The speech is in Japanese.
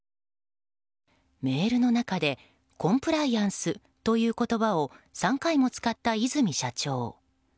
メールの中でコンプライアンスという言葉を３回も使った和泉社長。